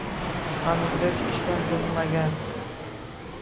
Xanuzgacha ishdan tinmagan